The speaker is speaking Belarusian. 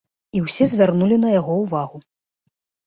І ўсе звярнулі на яго ўвагу.